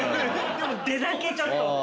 でも出だけちょっと。